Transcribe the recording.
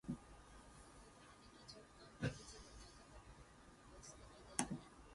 The primary economic base of the town is agricultural.